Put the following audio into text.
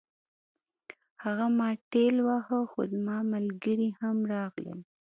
هغه ما ټېل واهه خو زما ملګري هم راغلل